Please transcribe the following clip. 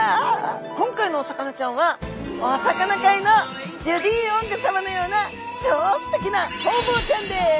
今回のお魚ちゃんはおサカナ界のジュディ・オングさまのような超すてきなホウボウちゃんです。